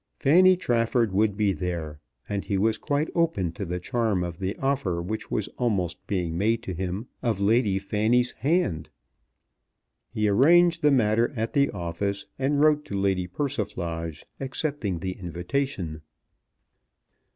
Fanny Trafford would be there, and he was quite open to the charm of the offer which was almost being made to him of Lady Fanny's hand. He arranged the matter at the office, and wrote to Lady Persiflage accepting the invitation.